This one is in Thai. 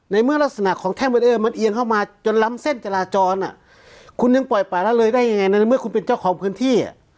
ในเมื่อลักษณะของแท่งเบรีเออร์มันเอียงเข้ามาจนล้ำเส้นจราจรอ่ะคุณยังปล่อยป่าละเลยได้ยังไงในเมื่อคุณเป็นเจ้าของพื้นที่อ่ะ